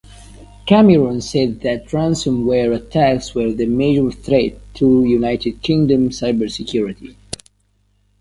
Cameron said that ransomware attacks were the major threat to United Kingdom cyber security.